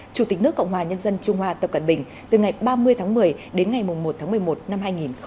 chủ tịch nước cộng hòa nhân dân trung hoa tập cận bình từ ngày ba mươi tháng một mươi đến ngày một tháng một mươi một năm hai nghìn hai mươi